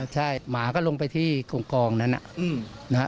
ใช่หมาก็ลงไปที่กองนั้น